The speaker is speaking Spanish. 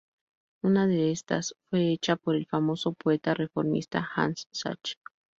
Una de estas fue echa por el famoso poeta reformista Hans Sachs.